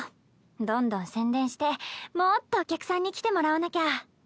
どんどん宣伝してもっとお客さんに来てもらわなきゃ。